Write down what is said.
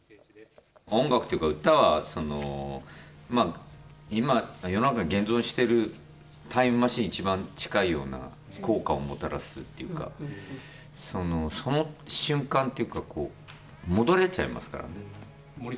音楽というか歌は今、世の中に現存しているタイムマシーンに一番近いような効果をもたらすというかその瞬間に戻れちゃいますからね。